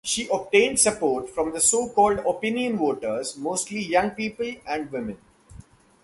She obtained support from the so-called "opinion voters", mostly young people and women.